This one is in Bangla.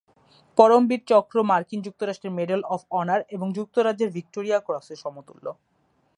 পরমবীর চক্র মার্কিন যুক্তরাষ্ট্রের মেডেল অফ অনার এবং যুক্তরাজ্যের ভিক্টোরিয়া ক্রসের সমতুল্য।